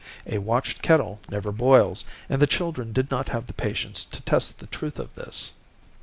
A watched kettle never boils, and the children did not have the patience to test the truth of this.